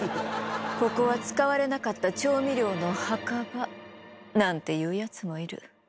ここは使われなかった調味料の墓場なんて言うやつもいる。